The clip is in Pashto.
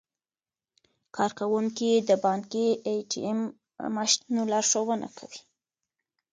کارکوونکي د بانکي ای ټي ایم ماشینونو لارښوونه کوي.